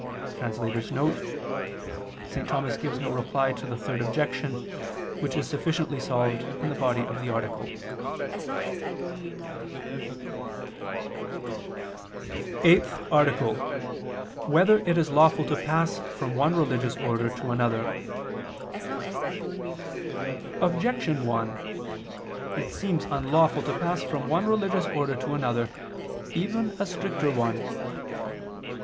[*St. Thomas gives no reply to the third objection, which is sufficiently solved in the body of the article.] _______________________ EIGHTH ARTICLE [II II, Q. 189, Art. 8] Whether It Is Lawful to Pass from One Religious Order to Another? Objection 1: It seems unlawful to pass from one religious order to another, even a stricter one.